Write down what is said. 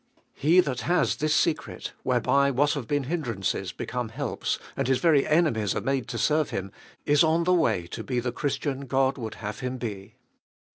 He that has this secret, whereby what have been hindrances become helps, and his very enemies are made to serve him, is on the way to be the Christian God would have him be.